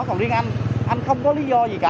còn riêng anh không có lý do gì cả